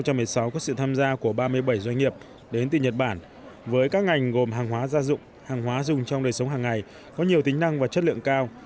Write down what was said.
các doanh nghiệp của ba mươi bảy doanh nghiệp đến từ nhật bản với các ngành gồm hàng hóa gia dụng hàng hóa dùng trong đời sống hàng ngày có nhiều tính năng và chất lượng cao